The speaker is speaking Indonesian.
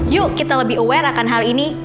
yuk kita lebih aware akan hal ini